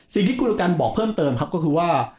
สิ่งที่คุณประกันบอกเพิ่มเติมครับก็คือว่า